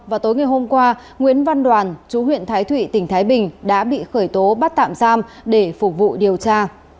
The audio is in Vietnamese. vào tối ngày hôm qua nguyễn văn đoàn chú huyện thái thụy tỉnh thái bình đã bị khởi tố bắt tạm giam để phục vụ điều tra